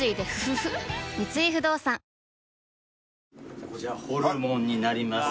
三井不動産こちらホルモンになります